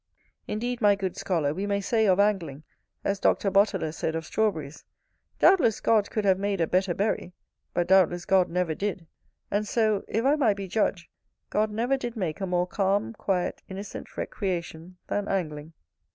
Indeed, my good scholar, we may say of angling, as Dr. Boteler said of strawberries, "Doubtless God could have made a better berry, but doubtless God never did"; and so, if I might be judge, God never did make a more calm, quiet, innocent recreation than angling.